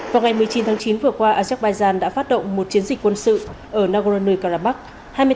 vào ngày một mươi chín tháng chín vừa qua azerbaijan đã phát động một chiến dịch quân sự ở nagorno karabakh